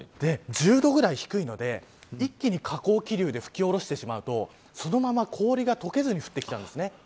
１０度ぐらい低いので、一気に下降気流で吹き降ろしてしまうとそのまま氷が解けずに降ってきちゃうんです。